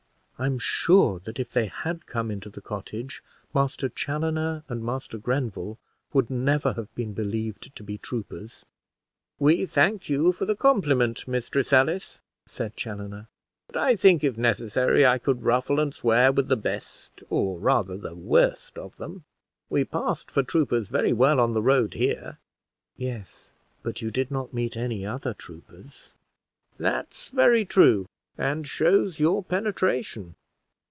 I'm sure that if they had come into the cottage, Master Chaloner and Master Grenville would never have been believed to be troopers." "We thank you for the compliment, Mistress Alice," said Chaloner; "but I think, if necessary, I could ruffle and swear with the best, or rather the worst of them. We passed for troopers very well on the road here." "Yes, but you did not meet any other troopers." "That's very true, and shows your penetration.